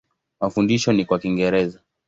Mafundisho ni kwa Kiingereza.